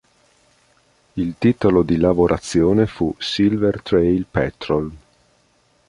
Il titolo di lavorazione fu "Silver Trail Patrol".